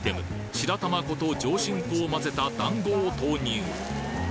白玉粉と上新粉を混ぜた団子を投入！